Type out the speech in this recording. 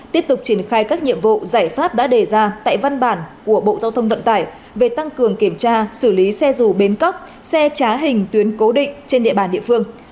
tiếp tục triển khai các nhiệm vụ giải pháp đã đề ra tại văn bản của bộ giao thông vận tải về tăng cường kiểm tra xử lý xe dù bến cóc xe trá hình tuyến cố định trên địa bàn địa phương